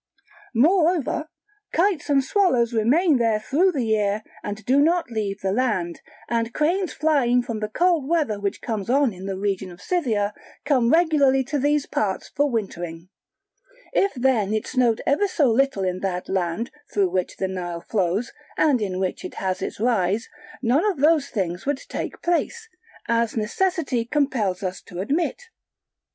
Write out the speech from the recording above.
Moreover kites and swallows remain there through the year and do not leave the land; and cranes flying from the cold weather which comes on in the region of Scythia come regularly to these parts for wintering: if then it snowed ever so little in that land through which the Nile flows and in which it has its rise, none of these things would take place, as necessity compels us to admit.